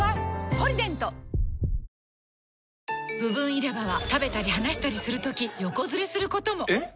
「ポリデント」部分入れ歯は食べたり話したりするとき横ずれすることも！えっ！？